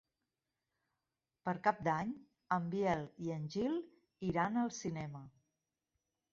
Per Cap d'Any en Biel i en Gil iran al cinema.